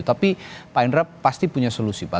tapi pak indra pasti punya solusi pak